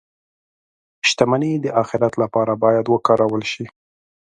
• شتمني د آخرت لپاره باید وکارول شي.